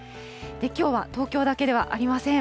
きょうは東京だけではありません。